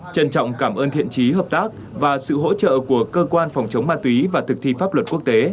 trân trọng cảm ơn thiện trí hợp tác và sự hỗ trợ của cơ quan phòng chống ma túy và thực thi pháp luật quốc tế